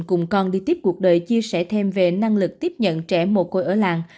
cùng con đi tiếp cuộc đời chia sẻ thêm về năng lực tiếp nhận trẻ mồ côi ở làng